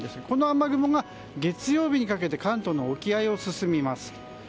この雨雲が月曜日にかけて関東の沖合を進みます。